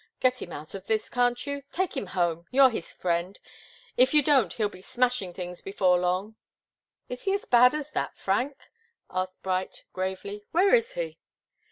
Get him out of this, can't you? Take him home you're his friend. If you don't he'll be smashing things before long." "Is he as bad as that, Frank?" asked Bright, gravely. "Where is he?"